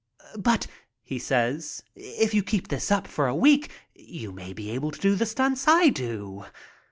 "But," says he, "if you keep this up for a week you may be able to do the stunts I do."